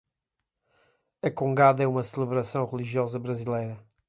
A congada é uma celebração religiosa brasileira